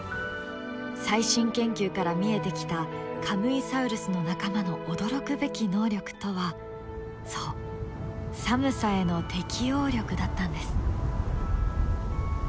最新研究から見えてきたカムイサウルスの仲間の驚くべき能力とはそう寒さへの適応力だったんです。